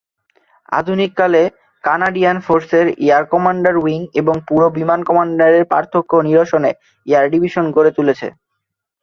আধুনিককালের Canadian Forces Air Command wing এবং পুরো বিমান কমান্ডের পার্থক্য নিরসনে এয়ার ডিভিশন গড়ে তুলেছে।